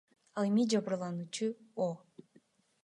Ал эми жабырлануучу О.